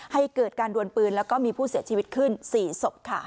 ให้เกิดการดวนปืนแล้วก็มีผู้เสียชีวิตขึ้น๔ศพค่ะ